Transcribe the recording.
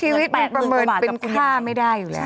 ชีวิตประเมิดเป็นค่าไม่ได้อยู่แล้ว